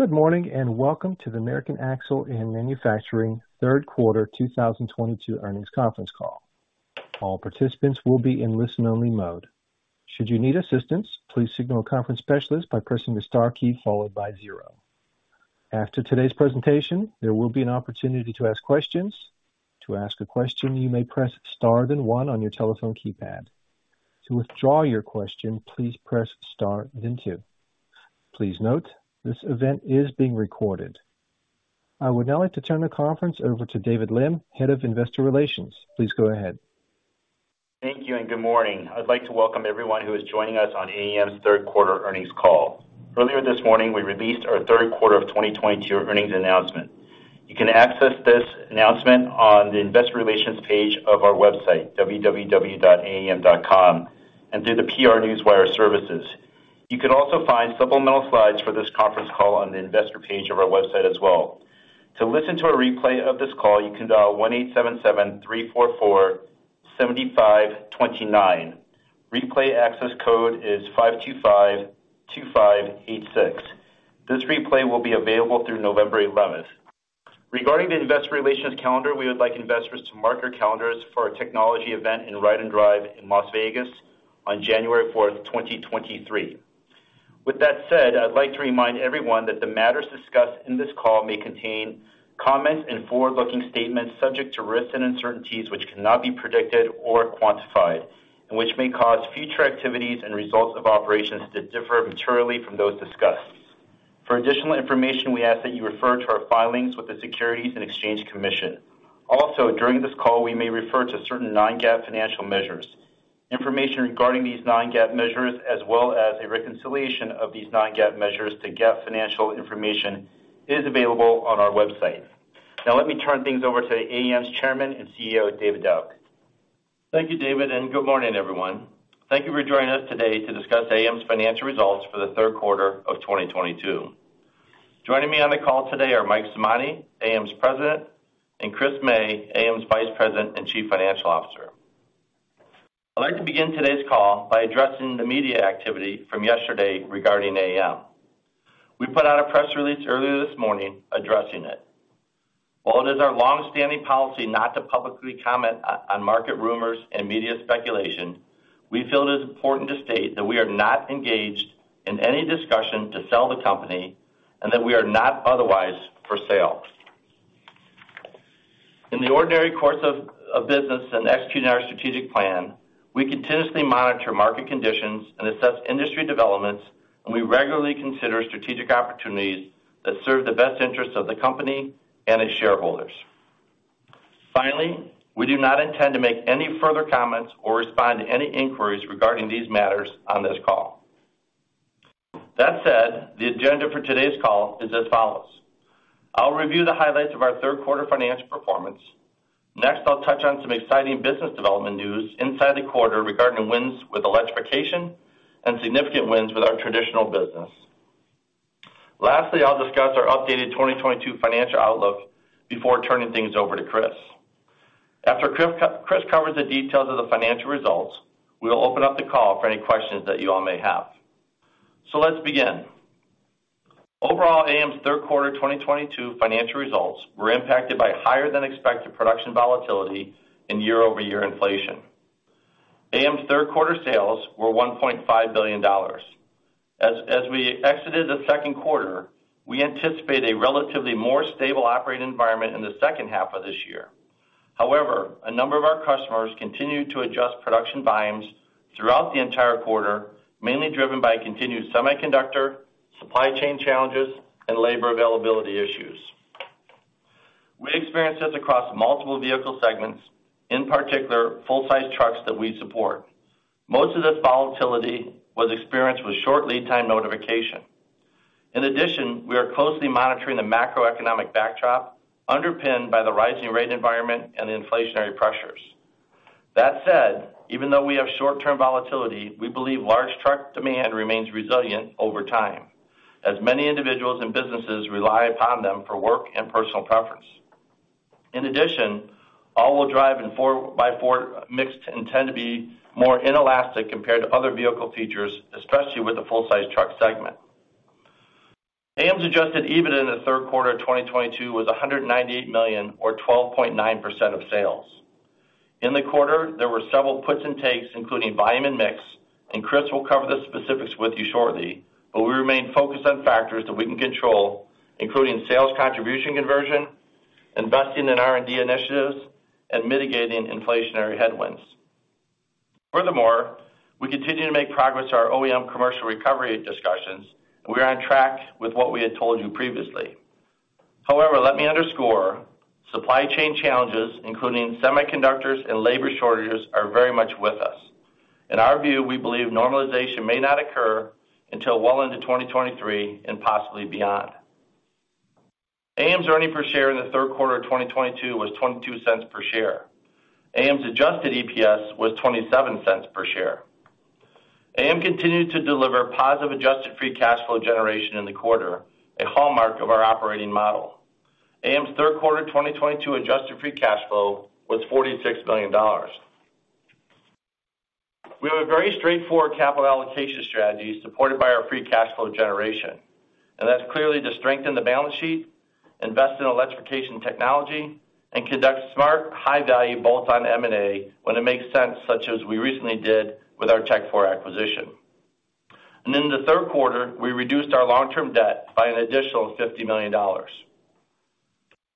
Good morning, and welcome to the American Axle & Manufacturing third quarter 2022 earnings conference call. All participants will be in listen-only mode. Should you need assistance, please signal a conference specialist by pressing the star key followed by zero. After today's presentation, there will be an opportunity to ask questions. To ask a question, you may press star then one on your telephone keypad. To withdraw your question, please press star then two. Please note, this event is being recorded. I would now like to turn the conference over to David Lim, Head of Investor Relations. Please go ahead. Thank you and good morning. I'd like to welcome everyone who is joining us on AAM's third quarter earnings call. Earlier this morning, we released our third quarter of 2022 earnings announcement. You can access this announcement on the investor relations page of our website, www.aam.com, and through the PR Newswire services. You can also find supplemental slides for this conference call on the investor page of our website as well. To listen to a replay of this call, you can dial 1-877-344-7529. Replay access code is 5252586. This replay will be available through November 11. Regarding the investor relations calendar, we would like investors to mark your calendars for our technology event in Ride & Drive in Las Vegas on January 4, 2023. With that said, I'd like to remind everyone that the matters discussed in this call may contain comments and forward-looking statements subject to risks and uncertainties which cannot be predicted or quantified, and which may cause future activities and results of operations to differ materially from those discussed. For additional information, we ask that you refer to our filings with the Securities and Exchange Commission. Also, during this call, we may refer to certain non-GAAP financial measures. Information regarding these non-GAAP measures, as well as a reconciliation of these non-GAAP measures to GAAP financial information, is available on our website. Now let me turn things over to AAM's Chairman and CEO, David Dauch. Thank you, David, and good morning, everyone. Thank you for joining us today to discuss AAM's financial results for the third quarter of 2022. Joining me on the call today are Mike Simonte, AAM's President, and Chris May, AAM's Vice President and Chief Financial Officer. I'd like to begin today's call by addressing the media activity from yesterday regarding AAM. We put out a press release earlier this morning addressing it. While it is our long-standing policy not to publicly comment on market rumors and media speculation, we feel it is important to state that we are not engaged in any discussion to sell the company and that we are not otherwise for sale. In the ordinary course of business and executing our strategic plan, we continuously monitor market conditions and assess industry developments, and we regularly consider strategic opportunities that serve the best interests of the company and its shareholders. Finally, we do not intend to make any further comments or respond to any inquiries regarding these matters on this call. That said, the agenda for today's call is as follows. I'll review the highlights of our third quarter financial performance. Next, I'll touch on some exciting business development news inside the quarter regarding wins with electrification and significant wins with our traditional business. Lastly, I'll discuss our updated 2022 financial outlook before turning things over to Chris. After Chris covers the details of the financial results, we will open up the call for any questions that you all may have. Let's begin. Overall, AAM's third quarter 2022 financial results were impacted by higher than expected production volatility and year-over-year inflation. AAM's third quarter sales were $1.5 billion. As we exited the second quarter, we anticipate a relatively more stable operating environment in the second half of this year. However, a number of our customers continued to adjust production volumes throughout the entire quarter, mainly driven by continued semiconductor supply chain challenges and labor availability issues. We experienced this across multiple vehicle segments, in particular full-size trucks that we support. Most of this volatility was experienced with short lead time notification. In addition, we are closely monitoring the macroeconomic backdrop underpinned by the rising rate environment and inflationary pressures. That said, even though we have short-term volatility, we believe large truck demand remains resilient over time, as many individuals and businesses rely upon them for work and personal preference. In addition, all-wheel drive and 4x4 mix tend to be more inelastic compared to other vehicle features, especially with the full-size truck segment. AAM's adjusted EBITDA in the third quarter of 2022 was $198 million or 12.9% of sales. In the quarter, there were several puts and takes, including volume and mix, and Chris will cover the specifics with you shortly, but we remain focused on factors that we can control, including sales contribution conversion, investing in R&D initiatives, and mitigating inflationary headwinds. Furthermore, we continue to make progress to our OEM commercial recovery discussions, and we are on track with what we had told you previously. However, let me underscore, supply chain challenges, including semiconductors and labor shortages, are very much with us. In our view, we believe normalization may not occur until well into 2023 and possibly beyond. AAM's earnings per share in the third quarter of 2022 was $0.22. AAM's adjusted EPS was $0.27. AAM continued to deliver positive adjusted free cash flow generation in the quarter, a hallmark of our operating model. AAM's third quarter 2022 adjusted free cash flow was $46 million. We have a very straightforward capital allocation strategy supported by our free cash flow generation, and that's clearly to strengthen the balance sheet, invest in electrification technology, and conduct smart, high-value bolt-on M&A when it makes sense, such as we recently did with our Tekfor acquisition. In the third quarter, we reduced our long-term debt by an additional $50 million.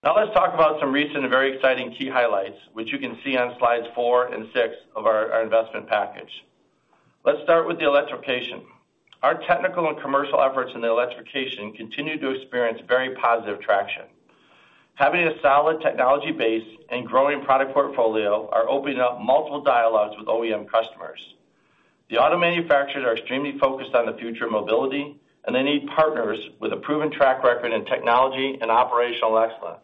Now, let's talk about some recent and very exciting key highlights, which you can see on slides four and six of our investment package. Let's start with the electrification. Our technical and commercial efforts in the electrification continue to experience very positive traction. Having a solid technology base and growing product portfolio are opening up multiple dialogues with OEM customers. The auto manufacturers are extremely focused on the future of mobility, and they need partners with a proven track record in technology and operational excellence.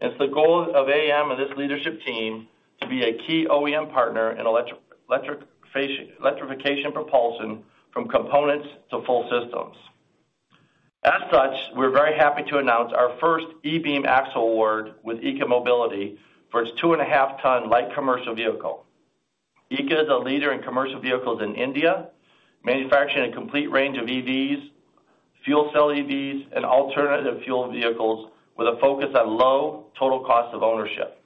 It's the goal of AAM and this leadership team to be a key OEM partner in electrification propulsion from components to full systems. As such, we're very happy to announce our first e-Beam axle award with EKA Mobility for its two-and-a-half ton light commercial vehicle. EKA is a leader in commercial vehicles in India, manufacturing a complete range of EVs, fuel cell EVs, and alternative fuel vehicles with a focus on low total cost of ownership.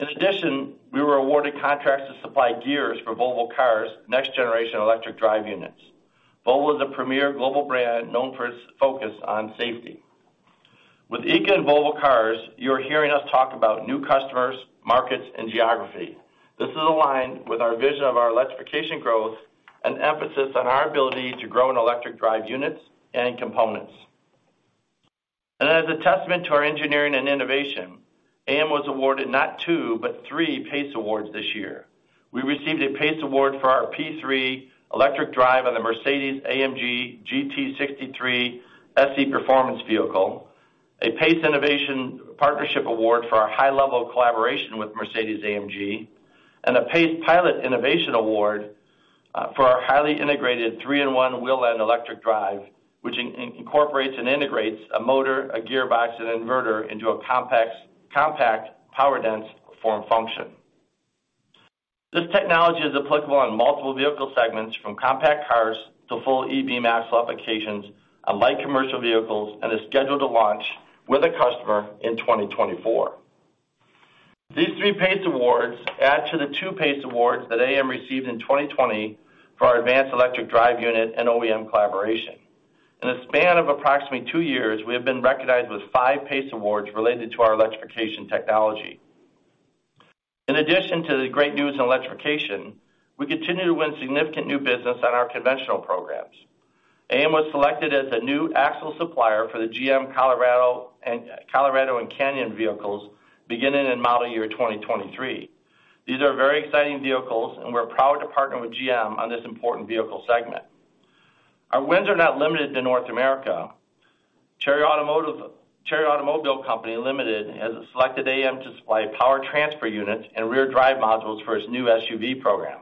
In addition, we were awarded contracts to supply gears for Volvo Cars' next generation electric drive units. Volvo is a premier global brand known for its focus on safety. With EKA and Volvo Cars, you are hearing us talk about new customers, markets, and geography. This is aligned with our vision of our electrification growth and emphasis on our ability to grow in electric drive units and in components. As a testament to our engineering and innovation, AAM was awarded not two, but three PACE Awards this year. We received a PACE Award for our P3 electric drive on the Mercedes-AMG GT 63 S E PERFORMANCE vehicle, a PACE Innovation Partnership Award for our high-level collaboration with Mercedes-AMG, and a PACEpilot Innovation to Watch, for our highly integrated three-in-one wheel-end electric drive, which incorporates and integrates a motor, a gearbox, and an inverter into a compact, power-dense form factor. This technology is applicable on multiple vehicle segments from compact cars to full e-Beam axle applications on light commercial vehicles, and is scheduled to launch with a customer in 2024. These three PACE Awards add to the two PACE Awards that AAM received in 2020 for our advanced electric drive unit and OEM collaboration. In a span of approximately two years, we have been recognized with 5 PACE Awards related to our electrification technology. In addition to the great news in electrification, we continue to win significant new business on our conventional programs. AAM was selected as the new axle supplier for the GM Colorado and Canyon vehicles beginning in model year 2023. These are very exciting vehicles, and we're proud to partner with GM on this important vehicle segment. Our wins are not limited to North America. Chery Automobile Co., Ltd. has selected AAM to supply power transfer units and rear drive modules for its new SUV program.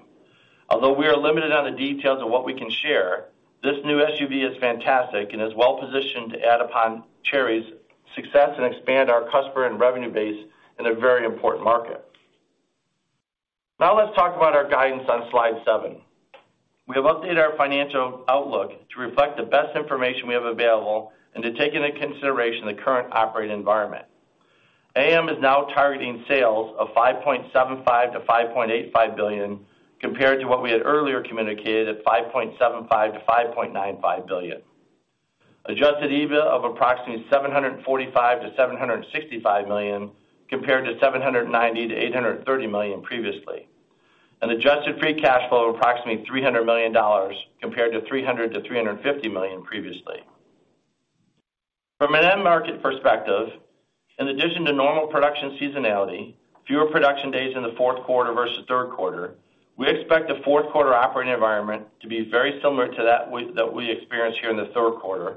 Although we are limited on the details of what we can share, this new SUV is fantastic and is well-positioned to add upon Chery's success and expand our customer and revenue base in a very important market. Now let's talk about our guidance on slide 7. We have updated our financial outlook to reflect the best information we have available and to take into consideration the current operating environment. AAM is now targeting sales of $5.75 billion-$5.85 billion, compared to what we had earlier communicated at $5.75 billion-$5.95 billion. Adjusted EBITDA of approximately $745 million-$765 million, compared to $790 million-$830 million previously. An adjusted free cash flow of approximately $300 million compared to $300 million-$350 million previously. From an end market perspective, in addition to normal production seasonality, fewer production days in the fourth quarter versus third quarter, we expect the fourth quarter operating environment to be very similar to that we experienced here in the third quarter,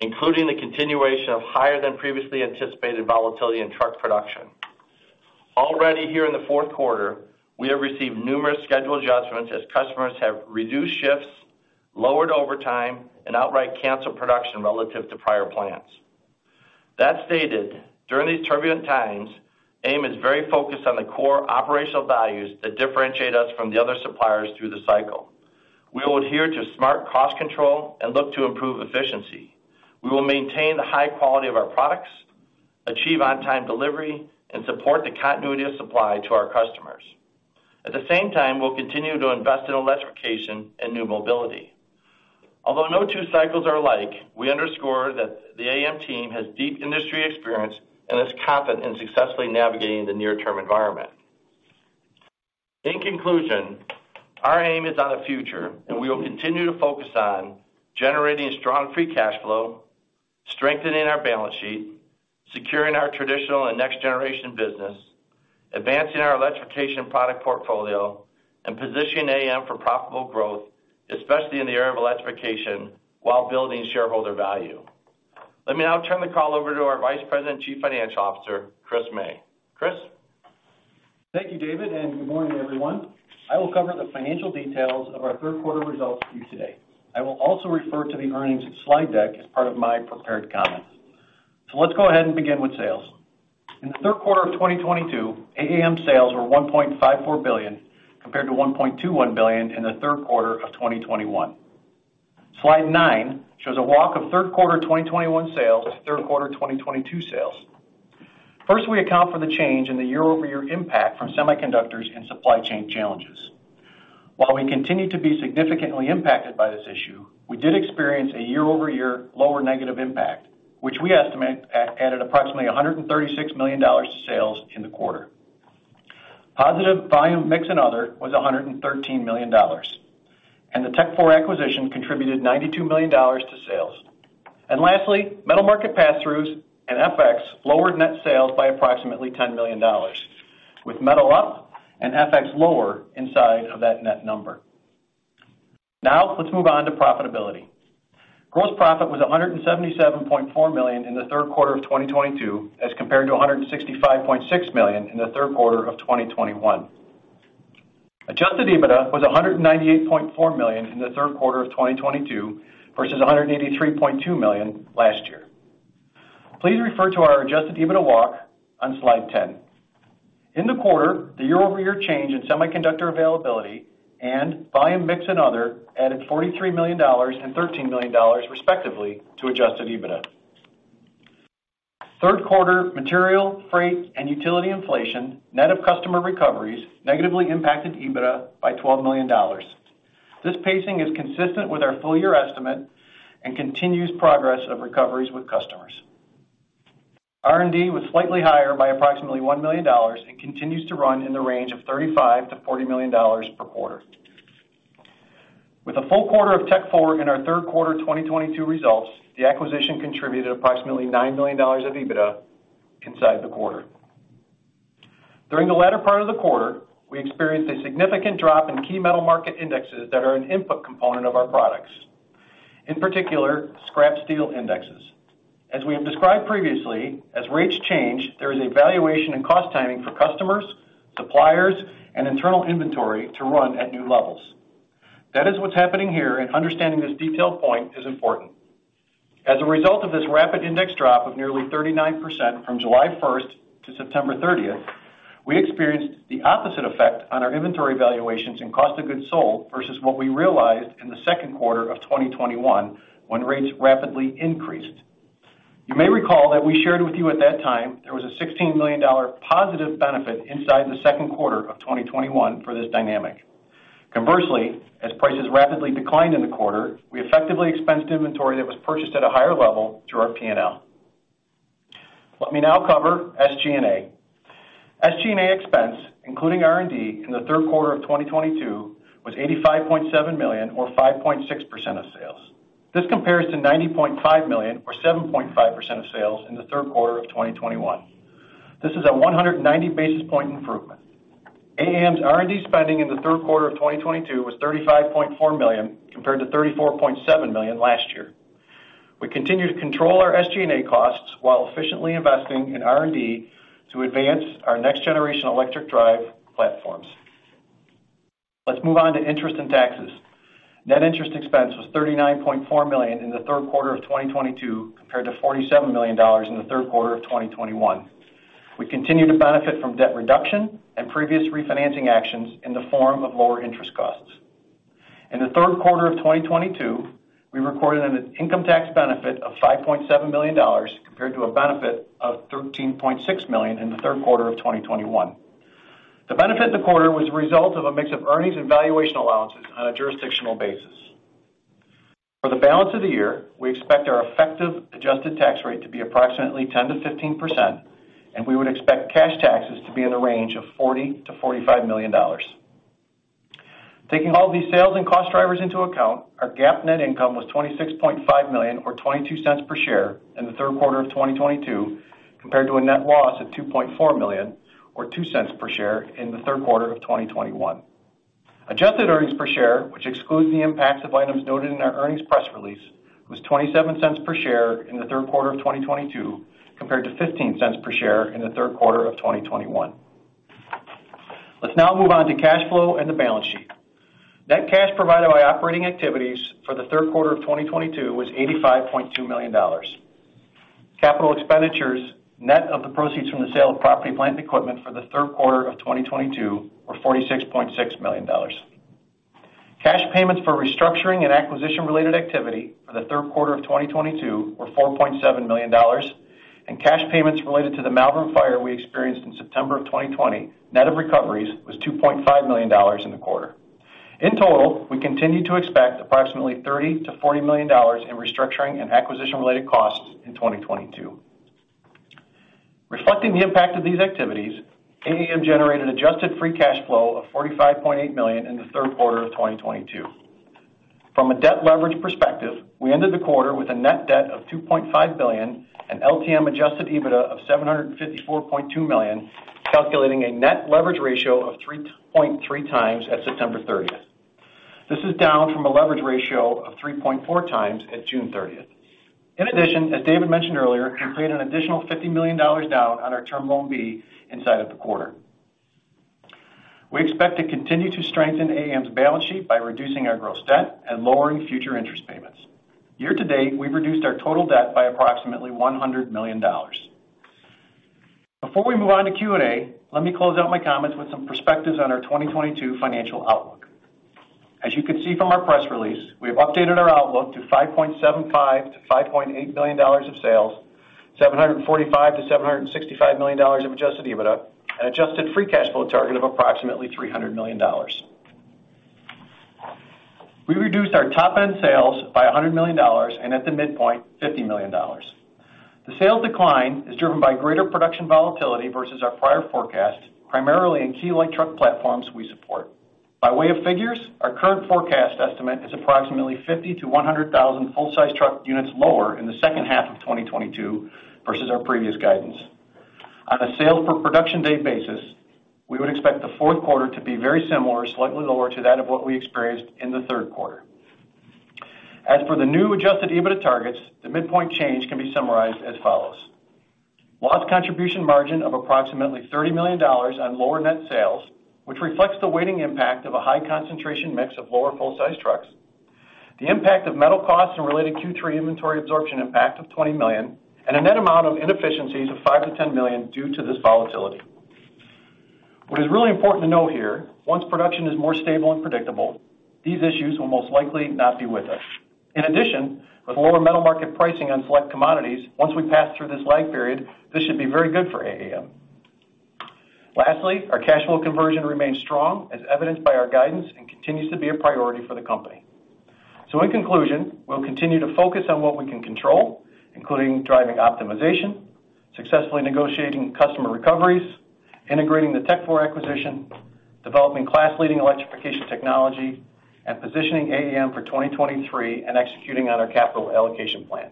including the continuation of higher than previously anticipated volatility in truck production. Already here in the fourth quarter, we have received numerous schedule adjustments as customers have reduced shifts, lowered overtime, and outright canceled production relative to prior plans. That said, during these turbulent times, AAM is very focused on the core operational values that differentiate us from the other suppliers through the cycle. We will adhere to smart cost control and look to improve efficiency. We will maintain the high quality of our products, achieve on-time delivery, and support the continuity of supply to our customers. At the same time, we'll continue to invest in electrification and new mobility. Although no two cycles are alike, we underscore that the AAM team has deep industry experience and is confident in successfully navigating the near-term environment. In conclusion, our eye is on the future, and we will continue to focus on generating strong free cash flow, strengthening our balance sheet, securing our traditional and next-generation business, advancing our electrification product portfolio, and positioning AAM for profitable growth, especially in the area of electrification, while building shareholder value. Let me now turn the call over to our Vice President, Chief Financial Officer, Chris May. Chris? Thank you, David, and good morning, everyone. I will cover the financial details of our third quarter results with you today. I will also refer to the earnings slide deck as part of my prepared comments. Let's go ahead and begin with sales. In the third quarter of 2022, AAM sales were $1.54 billion compared to $1.21 billion in the third quarter of 2021. Slide 9 shows a walk of third quarter 2021 sales to third quarter 2022 sales. First, we account for the change in the year-over-year impact from semiconductors and supply chain challenges. While we continue to be significantly impacted by this issue, we did experience a year-over-year lower negative impact, which we estimate added approximately $136 million to sales in the quarter. Positive volume mix and other was $113 million, and the Tekfor acquisition contributed $92 million to sales. Lastly, metal market pass-throughs and FX lowered net sales by approximately $10 million, with metal up and FX lower inside of that net number. Now, let's move on to profitability. Gross profit was $177.4 million in the third quarter of 2022, as compared to $165.6 million in the third quarter of 2021. Adjusted EBITDA was $198.4 million in the third quarter of 2022 versus $183.2 million last year. Please refer to our adjusted EBITDA walk on slide 10. In the quarter, the year-over-year change in semiconductor availability and volume mix and other added $43 million and $13 million, respectively, to adjusted EBITDA. Third quarter material, freight, and utility inflation, net of customer recoveries, negatively impacted EBITDA by $12 million. This pacing is consistent with our full year estimate and continues progress of recoveries with customers. R&D was slightly higher by approximately $1 million and continues to run in the range of $35 million-$40 million per quarter. With a full quarter of Tekfor in our third quarter of 2022 results, the acquisition contributed approximately $9 million of EBITDA inside the quarter. During the latter part of the quarter, we experienced a significant drop in key metal market indexes that are an input component of our products, in particular, scrap steel indexes. As we have described previously, as rates change, there is a valuation and cost timing for customers, suppliers, and internal inventory to run at new levels. That is what's happening here, and understanding this detailed point is important. As a result of this rapid index drop of nearly 39% from July 1 to September 30, we experienced the opposite effect on our inventory valuations and cost of goods sold versus what we realized in the second quarter of 2021 when rates rapidly increased. You may recall that we shared with you at that time there was a $16 million positive benefit inside the second quarter of 2021 for this dynamic. Conversely, as prices rapidly declined in the quarter, we effectively expensed inventory that was purchased at a higher level through our P&L. Let me now cover SG&A. SG&A expense, including R&D, in the third quarter of 2022 was $85.7 million or 5.6% of sales. This compares to $90.5 million or 7.5% of sales in the third quarter of 2021. This is a 190 basis point improvement. AAM's R&D spending in the third quarter of 2022 was $35.4 million compared to $34.7 million last year. We continue to control our SG&A costs while efficiently investing in R&D to advance our next generation electric drive platforms. Let's move on to interest and taxes. Net interest expense was $39.4 million in the third quarter of 2022 compared to $47 million in the third quarter of 2021. We continue to benefit from debt reduction and previous refinancing actions in the form of lower interest costs. In the third quarter of 2022, we recorded an income tax benefit of $5.7 million compared to a benefit of $13.6 million in the third quarter of 2021. The benefit in the quarter was a result of a mix of earnings and valuation allowances on a jurisdictional basis. For the balance of the year, we expect our effective adjusted tax rate to be approximately 10%-15%, and we would expect cash taxes to be in the range of $40 million-$45 million. Taking all these sales and cost drivers into account, our GAAP net income was $26.5 million or $0.22 per share in the third quarter of 2022, compared to a net loss of $2.4 million or $0.02 per share in the third quarter of 2021. Adjusted earnings per share, which excludes the impacts of items noted in our earnings press release, was $0.27 per share in the third quarter of 2022 compared to $0.15 per share in the third quarter of 2021. Let's now move on to cash flow and the balance sheet. Net cash provided by operating activities for the third quarter of 2022 was $85.2 million. Capital expenditures, net of the proceeds from the sale of property, plant, and equipment for the third quarter of 2022 were $46.6 million. Cash payments for restructuring and acquisition related activity for the third quarter of 2022 were $4.7 million, and cash payments related to the Malvern fire we experienced in September of 2020, net of recoveries, was $2.5 million in the quarter. In total, we continue to expect approximately $30 million-$40 million in restructuring and acquisition related costs in 2022. Reflecting the impact of these activities, AAM generated adjusted free cash flow of $45.8 million in the third quarter of 2022. From a debt leverage perspective, we ended the quarter with a net debt of $2.5 billion and LTM adjusted EBITDA of $754.2 million, calculating a net leverage ratio of 3.3x at September 30th. This is down from a leverage ratio of 3.4x at June 30th. In addition, as David mentioned earlier, we paid an additional $50 million down on our Term Loan B inside of the quarter. We expect to continue to strengthen AAM's balance sheet by reducing our gross debt and lowering future interest payments. Year-to-date, we've reduced our total debt by approximately $100 million. Before we move on to Q&A, let me close out my comments with some perspectives on our 2022 financial outlook. As you can see from our press release, we have updated our outlook to $5.75-$5.8 billion of sales, $745-$765 million of adjusted EBITDA, and adjusted free cash flow target of approximately $300 million. We reduced our top-end sales by $100 million and at the midpoint, $50 million. The sales decline is driven by greater production volatility versus our prior forecast, primarily in key light truck platforms we support. By way of figures, our current forecast estimate is approximately 50,000-100,000 full-size truck units lower in the second half of 2022 versus our previous guidance. On a sales per production day basis, we would expect the fourth quarter to be very similar or slightly lower to that of what we experienced in the third quarter. As for the new adjusted EBITDA targets, the midpoint change can be summarized as follows. Lost contribution margin of approximately $30 million on lower net sales, which reflects the weighting impact of a high concentration mix of lower full-size trucks. The impact of metal costs and related Q3 inventory absorption impact of $20 million, and a net amount of inefficiencies of $5 million-$10 million due to this volatility. What is really important to note here, once production is more stable and predictable, these issues will most likely not be with us. In addition, with lower metal market pricing on select commodities, once we pass through this lag period, this should be very good for AAM. Lastly, our cash flow conversion remains strong as evidenced by our guidance and continues to be a priority for the company. In conclusion, we'll continue to focus on what we can control, including driving optimization, successfully negotiating customer recoveries, integrating the Tekfor acquisition, developing class-leading electrification technology, and positioning AAM for 2023 and executing on our capital allocation plan.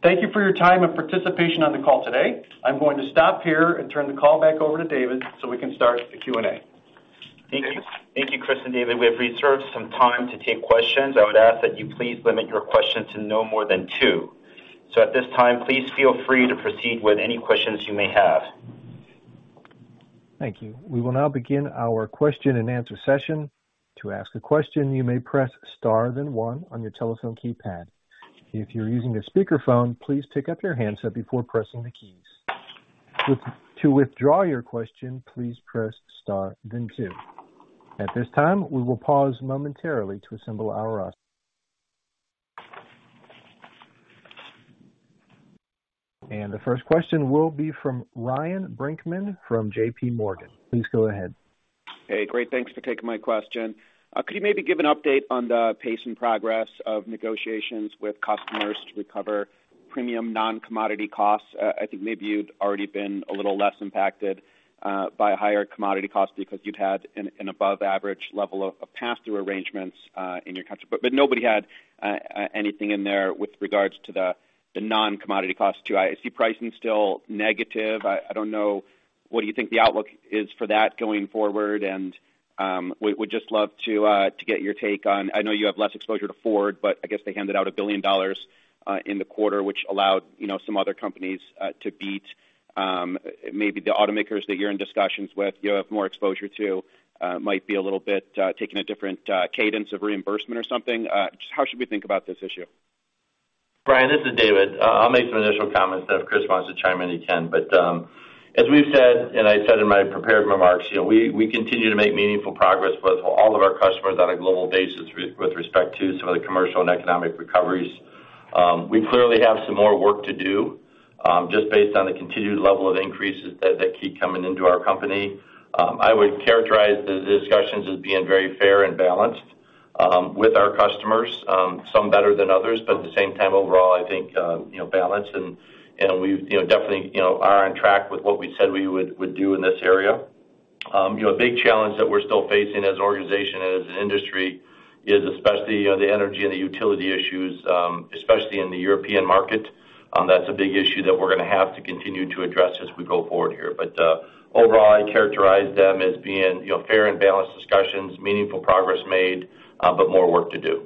Thank you for your time and participation on the call today. I'm going to stop here and turn the call back over to David so we can start the Q&A. Thank you, Chris and David. We have reserved some time to take questions. I would ask that you please limit your questions to no more than two. At this time, please feel free to proceed with any questions you may have. Thank you. We will now begin our question-and-answer session. To ask a question, you may press star then one on your telephone keypad. If you're using a speakerphone, please pick up your handset before pressing the keys. To withdraw your question, please press star then two. At this time, we will pause momentarily to assemble our. The first question will be from Ryan Brinkman from J.P. Morgan. Please go ahead. Hey, great. Thanks for taking my question. Could you maybe give an update on the pace and progress of negotiations with customers to recover premium non-commodity costs? I think maybe you'd already been a little less impacted by higher commodity costs because you'd had an above average level of pass-through arrangements in your country. But nobody had anything in there with regards to the non-commodity costs too. I see pricing still negative. I don't know, what do you think the outlook is for that going forward? Would just love to get your take on. I know you have less exposure to Ford, but I guess they handed out $1 billion in the quarter, which allowed, you know, some other companies to beat maybe the automakers that you're in discussions with, you have more exposure to, might be a little bit taking a different cadence of reimbursement or something. How should we think about this issue? Ryan, this is David. I'll make some initial comments, then if Chris wants to chime in, he can. As we've said, and I said in my prepared remarks, you know, we continue to make meaningful progress with all of our customers on a global basis with respect to some of the commercial and economic recoveries. We clearly have some more work to do, just based on the continued level of increases that keep coming into our company. I would characterize the discussions as being very fair and balanced with our customers, some better than others, but at the same time, overall, I think, you know, balanced. We've, you know, definitely, you know, are on track with what we said we would do in this area. You know, a big challenge that we're still facing as an organization and as an industry is especially, you know, the energy and the utility issues, especially in the European market. That's a big issue that we're gonna have to continue to address as we go forward here. Overall, I'd characterize them as being, you know, fair and balanced discussions, meaningful progress made, but more work to do.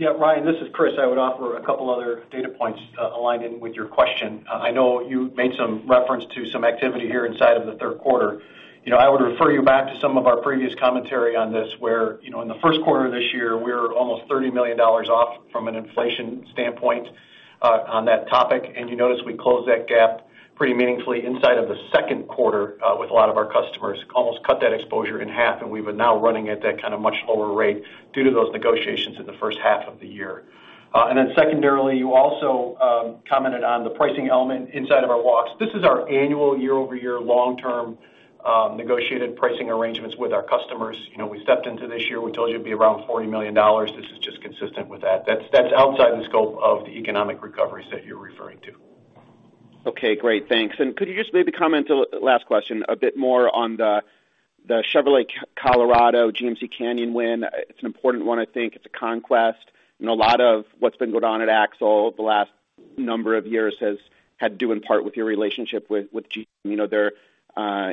Yeah, Ryan, this is Chris. I would offer a couple other data points aligned in with your question. I know you made some reference to some activity here inside of the third quarter. You know, I would refer you back to some of our previous commentary on this, where, you know, in the first quarter this year, we're almost $30 million off from an inflation standpoint on that topic. You notice we closed that gap pretty meaningfully inside of the second quarter with a lot of our customers. Almost cut that exposure in half, and we've been now running at that kinda much lower rate due to those negotiations in the first half of the year. Then secondarily, you also commented on the pricing element inside of our walks. This is our annual year-over-year long-term negotiated pricing arrangements with our customers. You know, we stepped into this year, we told you it'd be around $40 million. This is just consistent with that. That's outside the scope of the economic recoveries that you're referring to. Okay, great. Thanks. Could you just maybe comment, last question, a bit more on the Chevrolet Colorado GMC Canyon win? It's an important one, I think. It's a conquest. You know, a lot of what's been going on at Axle the last number of years has had to do in part with your relationship with GM. You know, their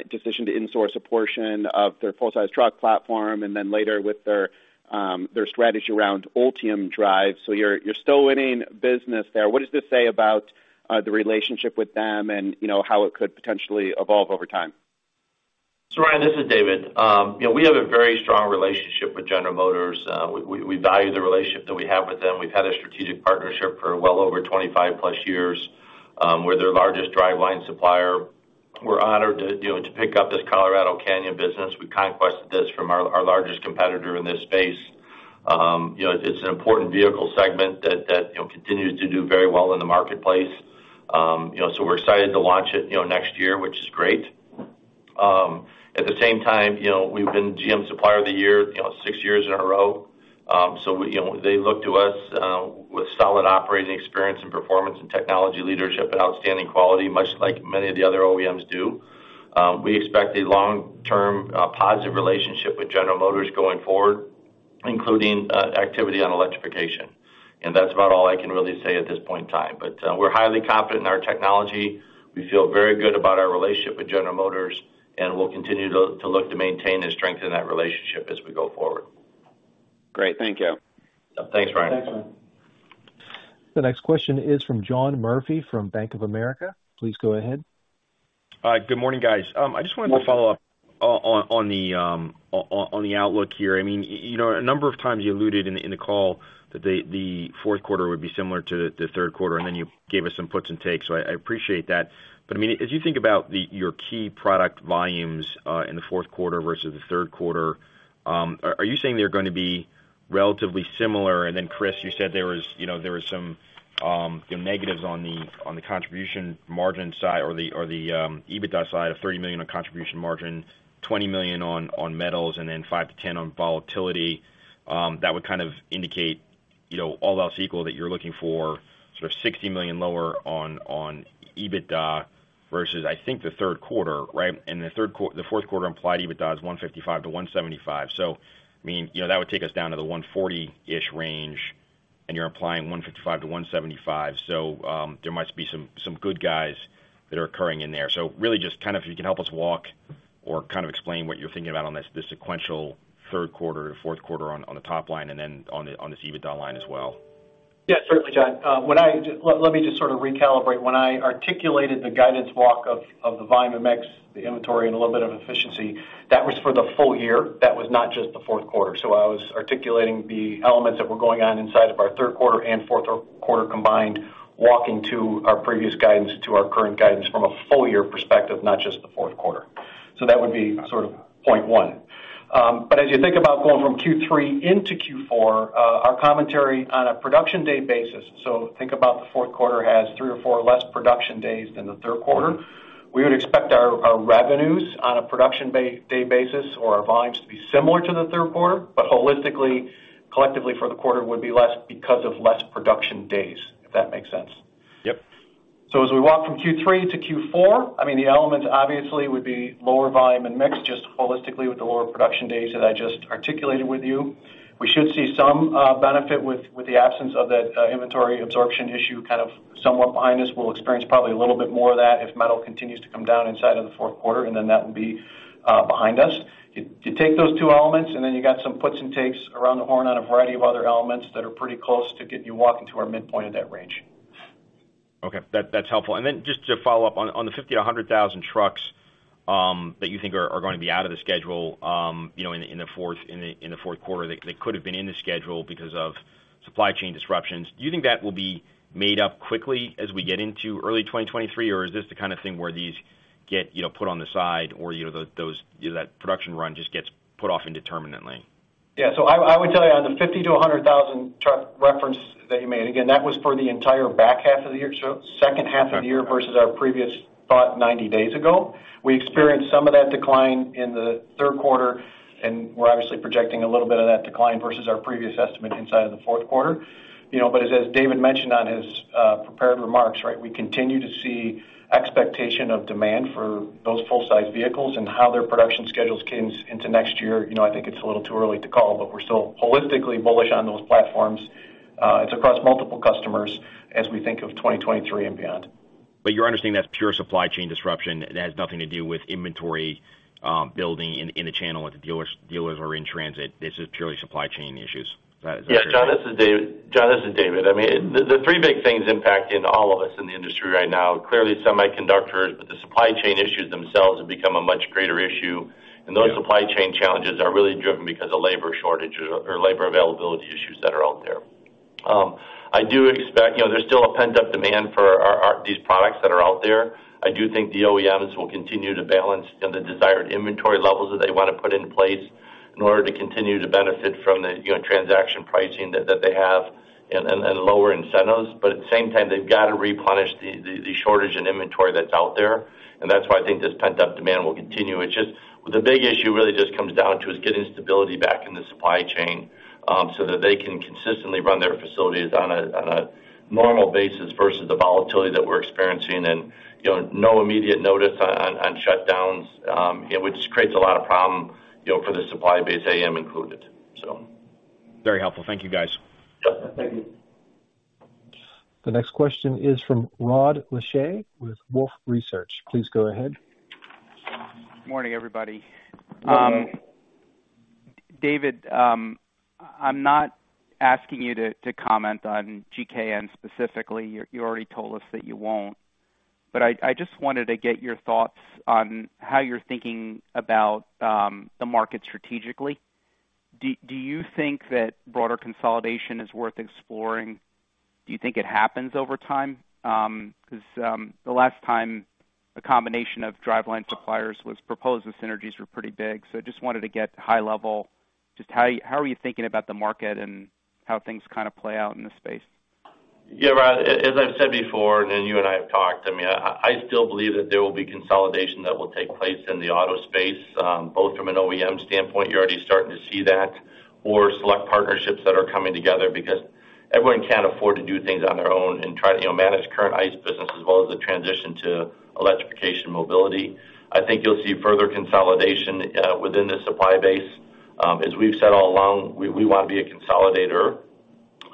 decision to insource a portion of their full-size truck platform, and then later with their strategy around Ultium Drive. You're still winning business there. What does this say about the relationship with them and, you know, how it could potentially evolve over time? Ryan, this is David. You know, we have a very strong relationship with General Motors. We value the relationship that we have with them. We've had a strategic partnership for well over 25+ years. We're their largest driveline supplier. We're honored to, you know, to pick up this Colorado Canyon business. We conquested this from our largest competitor in this space. You know, it's an important vehicle segment that you know continues to do very well in the marketplace. You know, we're excited to launch it, you know, next year, which is great. At the same time, you know, we've been GM Supplier of the Year, you know, six years in a row. You know, they look to us with solid operating experience and performance and technology leadership and outstanding quality, much like many of the other OEMs do. We expect a long-term positive relationship with General Motors going forward, including activity on electrification. That's about all I can really say at this point in time. We're highly confident in our technology. We feel very good about our relationship with General Motors, and we'll continue to look to maintain and strengthen that relationship as we go forward. Great. Thank you. Thanks, Ryan. Thanks, Ryan. The next question is from John Murphy from Bank of America. Please go ahead. Good morning, guys. I just wanted to follow up on the outlook here. I mean, you know, a number of times you alluded in the call that the fourth quarter would be similar to the third quarter, and then you gave us some puts and takes, so I appreciate that. I mean, as you think about your key product volumes in the fourth quarter versus the third quarter, are you saying they're gonna be relatively similar? Chris, you said there was, you know, there was some negatives on the contribution margin side or the EBITDA side of $30 million on contribution margin, $20 million on metals, and then $5 million-$10 million on volatility, that would kind of indicate, you know, all else equal, that you're looking for sort of $60 million lower on EBITDA versus, I think the third quarter, right? The fourth quarter implied EBITDA is $155 million-$175 million. I mean, you know, that would take us down to the $140 million-ish range, and you're implying $155 million-$175 million. There must be some good guys that are occurring in there. Really just kind of if you can help us walk or kind of explain what you're thinking about on this, the sequential third quarter to fourth quarter on the top line and then on this EBITDA line as well. Yeah, certainly, John. When I articulated the guidance walk of the volume and mix, the inventory, and a little bit of efficiency, that was for the full year. That was not just the fourth quarter. I was articulating the elements that were going on inside of our third quarter and fourth quarter combined, walking to our previous guidance to our current guidance from a full year perspective, not just the fourth quarter. That would be sort of point one. But as you think about going from Q3 into Q4, our commentary on a production day basis, so think about the fourth quarter has 3 or 4 less production days than the third quarter. We would expect our revenues on a production day basis or our volumes to be similar to the third quarter, but holistically, collectively for the quarter would be less because of less production days, if that makes sense. Yep. As we walk from Q3 to Q4, I mean, the elements obviously would be lower volume and mix, just holistically with the lower production days that I just articulated with you. We should see some benefit with the absence of that inventory absorption issue kind of somewhat behind us. We'll experience probably a little bit more of that if metal continues to come down inside of the fourth quarter, and then that will be behind us. You take those two elements, and then you got some puts and takes around the horn on a variety of other elements that are pretty close to get you walking to our midpoint of that range. Okay. That's helpful. Just to follow up on the 50,000-100,000 trucks that you think are gonna be out of the schedule, you know, in the fourth quarter that could have been in the schedule because of supply chain disruptions, do you think that will be made up quickly as we get into early 2023? Or is this the kind of thing where these get, you know, put on the side or, you know, that production run just gets put off indeterminately? Yeah. I would tell you on the 50 to 100,000-truck reference that you made, again, that was for the entire back half of the year, so second half of the year versus our previous thought 90 days ago. We experienced some of that decline in the third quarter, and we're obviously projecting a little bit of that decline versus our previous estimate inside of the fourth quarter. You know, but as David mentioned on his prepared remarks, right, we continue to see expectation of demand for those full size vehicles and how their production schedules comes into next year, you know, I think it's a little too early to call, but we're still holistically bullish on those platforms. It's across multiple customers as we think of 2023 and beyond. You're understanding that's pure supply chain disruption. It has nothing to do with inventory building in the channel with the dealers or in transit. This is purely supply chain issues. Is that it? Yeah. John, this is David. I mean, the three big things impacting all of us in the industry right now, clearly semiconductors, but the supply chain issues themselves have become a much greater issue. Yeah. Those supply chain challenges are really driven because of labor shortages or labor availability issues that are out there. You know, there's still a pent-up demand for our these products that are out there. I do think the OEMs will continue to balance, you know, the desired inventory levels that they wanna put in place in order to continue to benefit from the, you know, transaction pricing that they have and lower incentives. At the same time, they've got to replenish the shortage in inventory that's out there. That's why I think this pent-up demand will continue. It's just the big issue really just comes down to is getting stability back in the supply chain, so that they can consistently run their facilities on a normal basis versus the volatility that we're experiencing and, you know, no immediate notice on shutdowns, which creates a lot of problem, you know, for the supply base, AAM included, so. Very helpful. Thank you, guys. Yeah. Thank you. The next question is from Rod Lache with Wolfe Research. Please go ahead. Morning, everybody. Good morning. David, I'm not asking you to comment on GKN specifically. You already told us that you won't. I just wanted to get your thoughts on how you're thinking about the market strategically. Do you think that broader consolidation is worth exploring? Do you think it happens over time? 'Cause the last time a combination of driveline suppliers was proposed, the synergies were pretty big. I just wanted to get high level just how are you thinking about the market and how things kind of play out in this space? Yeah, Rob, as I've said before, and you and I have talked, I mean, I still believe that there will be consolidation that will take place in the auto space, both from an OEM standpoint, you're already starting to see that, or select partnerships that are coming together because everyone can't afford to do things on their own and try to, you know, manage current ICE business as well as the transition to electrification mobility. I think you'll see further consolidation within the supply base. As we've said all along, we wanna be a consolidator.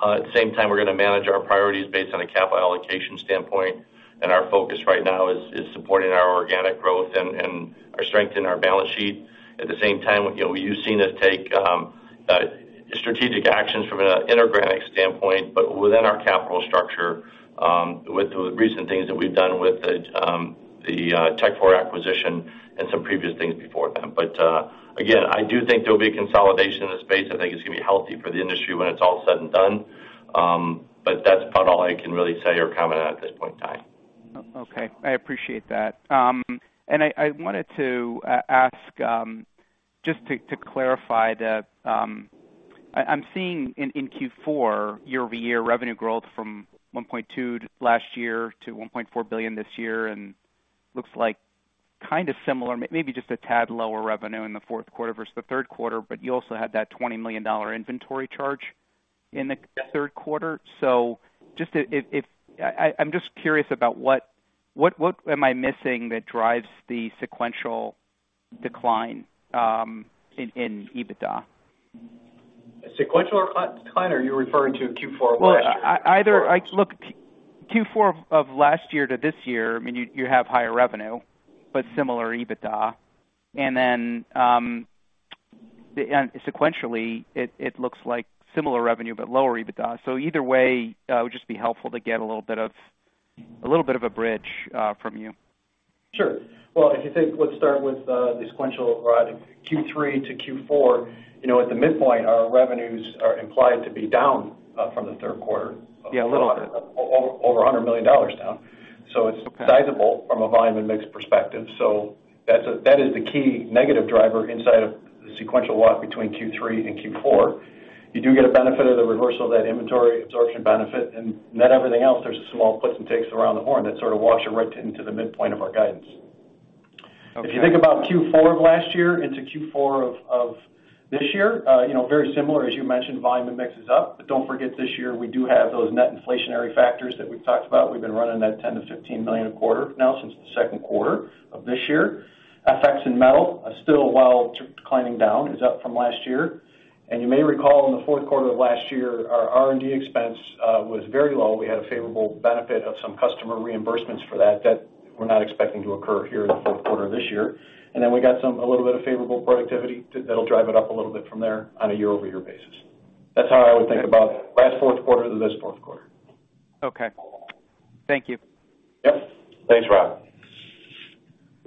At the same time, we're gonna manage our priorities based on a capital allocation standpoint, and our focus right now is supporting our organic growth and our strength in our balance sheet. At the same time, you know, you've seen us take strategic actions from an inorganic standpoint, but within our capital structure, with the recent things that we've done with the Tekfor acquisition and some previous things before them. Again, I do think there'll be consolidation in the space. I think it's gonna be healthy for the industry when it's all said and done. That's about all I can really say or comment on at this point in time. Okay. I appreciate that. I wanted to ask just to clarify that. I'm seeing in Q4 year-over-year revenue growth from $1.2 billion last year to $1.4 billion this year, and it looks like kind of similar, maybe just a tad lower revenue in the fourth quarter versus the third quarter, but you also had that $20 million inventory charge in the third quarter. I'm just curious about what am I missing that drives the sequential decline in EBITDA? Sequential decline? Or are you referring to Q4 of last year? Well, either. Look, Q4 of last year to this year, I mean, you have higher revenue, but similar EBITDA. Sequentially, it looks like similar revenue, but lower EBITDA. Either way, it would just be helpful to get a little bit of a bridge from you. Sure. Well, if you think, let's start with, the sequential, Rod. Q3 to Q4, you know, at the midpoint, our revenues are implied to be down, from the third quarter. Yeah, a little bit. Over $100 million down. It's sizable from a volume and mix perspective. That's the key negative driver inside of the sequential walk between Q3 and Q4. You do get a benefit of the reversal of that inventory absorption benefit. Net everything else, there's some small twists and takes around the horn that sort of walks it right into the midpoint of our guidance. Okay. If you think about Q4 of last year into Q4 of this year, you know, very similar, as you mentioned, volume and mix is up. Don't forget this year, we do have those net inflationary factors that we've talked about. We've been running that $10 million-$15 million a quarter now since the second quarter of this year. Effects in metal are still, while declining down, up from last year. You may recall in the fourth quarter of last year, our R&D expense was very low. We had a favorable benefit of some customer reimbursements for that that we're not expecting to occur here in the fourth quarter this year. Then we got some a little bit of favorable productivity that'll drive it up a little bit from there on a year-over-year basis. That's how I would think about last fourth quarter to this fourth quarter. Okay. Thank you. Yep. Thanks, Rob.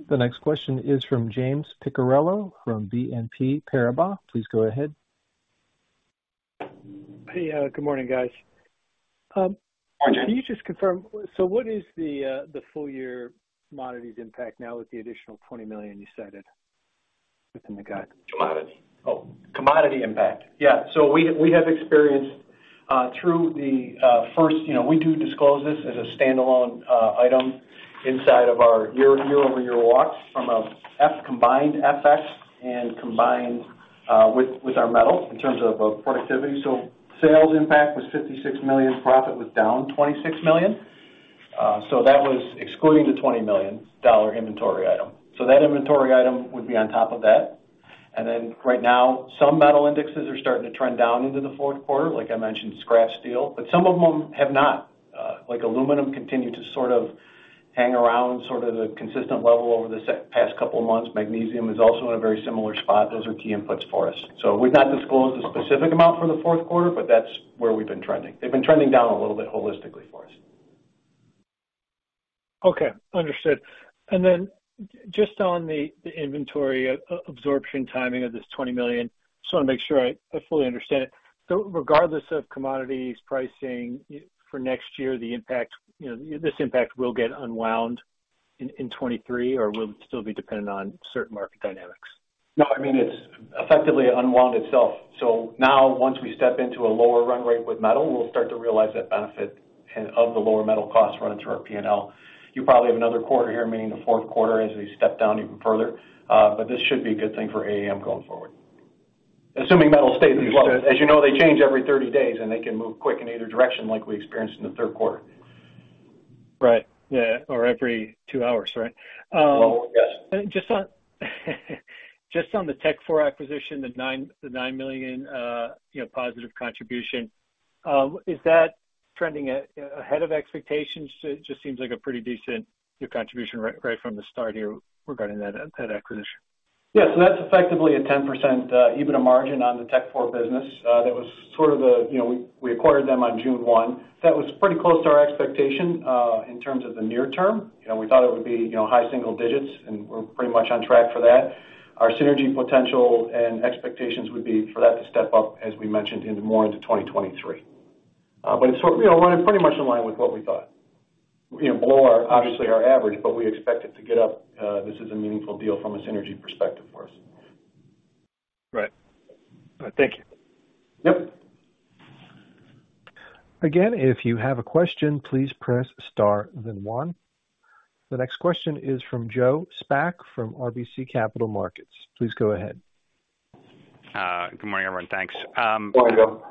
The next question is from James Picariello from BNP Paribas. Please go ahead. Hey, good morning, guys. Morning, James. Can you just confirm, so what is the full-year commodities impact now with the additional $20 million you cited within the guide? Commodities. Commodity impact. Yeah. We have experienced through the first. You know, we do disclose this as a standalone item inside of our year-over-year walks from a combined FX and combined with our metals in terms of productivity. Sales impact was $56 million, profit was down $26 million. That was excluding the $20 million inventory item. That inventory item would be on top of that. Right now, some metal indexes are starting to trend down into the fourth quarter, like I mentioned, scrap steel, but some of them have not. Like aluminum continued to sort of hang around sort of the consistent level over this past couple of months. Magnesium is also in a very similar spot. Those are key inputs for us. We've not disclosed a specific amount for the fourth quarter, but that's where we've been trending. They've been trending down a little bit holistically for us. Okay. Understood. Just on the inventory absorption timing of this $20 million, just wanna make sure I fully understand it. Regardless of commodities pricing for next year, the impact, you know, this impact will get unwound in 2023 or will it still be dependent on certain market dynamics? No, I mean, it's effectively unwound itself. Now once we step into a lower run rate with metal, we'll start to realize that benefit and of the lower metal costs run through our P&L. You probably have another quarter here, meaning the fourth quarter as we step down even further. This should be a good thing for AAM going forward. Assuming metal stays at these levels. As you know, they change every 30 days, and they can move quick in either direction like we experienced in the third quarter. Right. Yeah. Or every two hours, right? Yes. Just on the Tekfor acquisition, the $9 million, you know, positive contribution. Is that trending ahead of expectations? It just seems like a pretty decent contribution right from the start here regarding that acquisition. Yes, that's effectively a 10% EBITDA margin on the Tekfor business. That was sort of the, you know, we acquired them on June 1. That was pretty close to our expectation in terms of the near term. You know, we thought it would be, you know, high single digits, and we're pretty much on track for that. Our synergy potential and expectations would be for that to step up as we mentioned into more into 2023. But it's running pretty much in line with what we thought. You know, below our, obviously our average, but we expect it to get up. This is a meaningful deal from a synergy perspective for us. Right. Thank you. Yep. Again, if you have a question, please press star then one. The next question is from Joseph Spak from RBC Capital Markets. Please go ahead. Good morning, everyone. Thanks. Morning, Joe.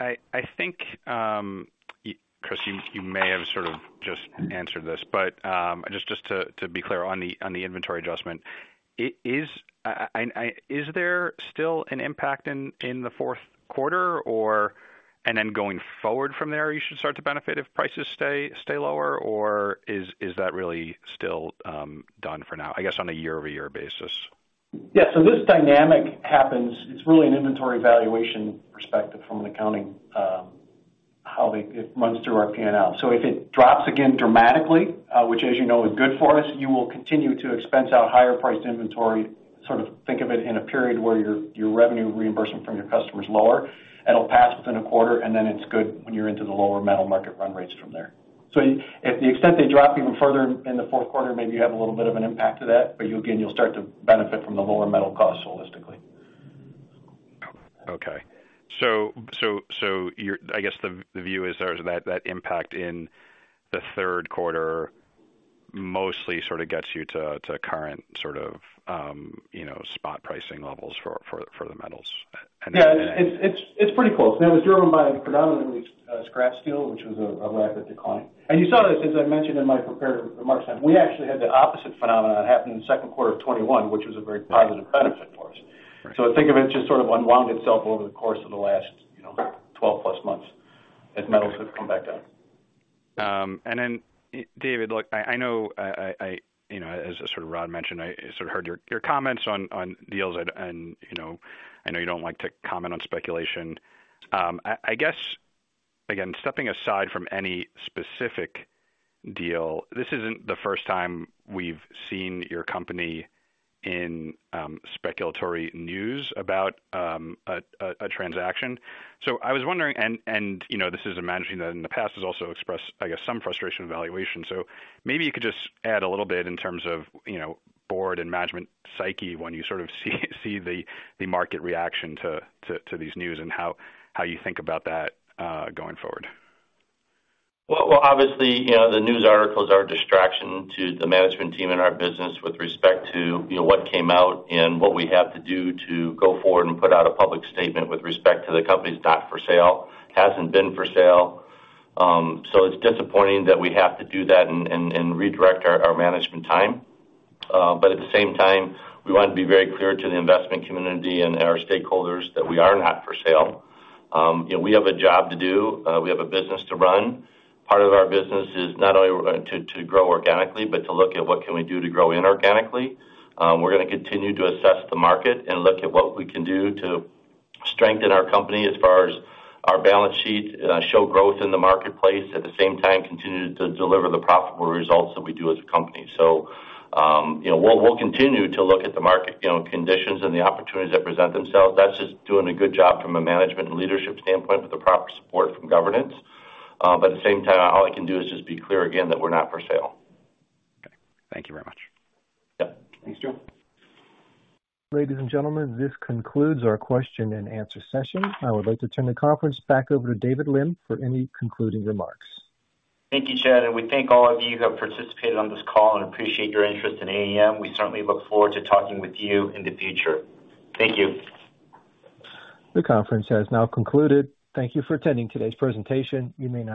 I think, Chris, you may have sort of just answered this, but just to be clear on the inventory adjustment. Is there still an impact in the fourth quarter or, then going forward from there, you should start to benefit if prices stay lower? Or is that really still done for now, I guess, on a year-over-year basis? Yeah. This dynamic happens. It's really an inventory valuation perspective from an accounting, how it runs through our P&L. If it drops again dramatically, which as you know, is good for us, you will continue to expense out higher priced inventory, sort of think of it in a period where your revenue reimbursement from your customer is lower. It'll pass within a quarter, and then it's good when you're into the lower metal market run rates from there. If to the extent they drop even further in the fourth quarter, maybe you have a little bit of an impact to that, but again, you'll start to benefit from the lower metal costs holistically. Okay. I guess the view is there's that impact in the third quarter mostly sort of gets you to current sort of, you know, spot pricing levels for the metals and then. Yeah. It's pretty close. That was driven by predominantly scrap steel, which was a rapid decline. You saw this, as I mentioned in my prepared remarks. We actually had the opposite phenomenon happen in the second quarter of 2021, which was a very positive benefit for us. Right. Think of it just sort of unwound itself over the course of the last, you know, 12+ months as metals have come back down. David, look, I know you know, as sort of Rod mentioned, I sort of heard your comments on deals and you know, I know you don't like to comment on speculation. I guess, again, stepping aside from any specific deal, this isn't the first time we've seen your company in speculative news about a transaction. I was wondering and you know, this is a management that in the past has also expressed, I guess, some frustration with valuation. Maybe you could just add a little bit in terms of you know, board and management psyche when you sort of see the market reaction to these news and how you think about that going forward. Well, obviously, you know, the news articles are a distraction to the management team and our business with respect to, you know, what came out and what we have to do to go forward and put out a public statement with respect to the company is not for sale. Hasn't been for sale. It's disappointing that we have to do that and redirect our management time. At the same time, we want to be very clear to the investment community and our stakeholders that we are not for sale. You know, we have a job to do. We have a business to run. Part of our business is not only we're going to grow organically, but to look at what can we do to grow inorganically. We're gonna continue to assess the market and look at what we can do to strengthen our company as far as our balance sheet, show growth in the marketplace. At the same time, continue to deliver the profitable results that we do as a company. You know, we'll continue to look at the market, you know, conditions and the opportunities that present themselves. That's just doing a good job from a management and leadership standpoint with the proper support from governance. At the same time, all I can do is just be clear again that we're not for sale. Okay. Thank you very much. Yeah. Thanks, Joe. Ladies and gentlemen, this concludes our question and answer session. I would like to turn the conference back over to David Lim for any concluding remarks. Thank you, Chad, and we thank all of you who have participated on this call and appreciate your interest in AAM. We certainly look forward to talking with you in the future. Thank you. The conference has now concluded. Thank you for attending today's presentation. You may now disconnect.